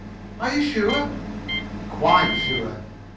"Are you sure?" "Quite sure."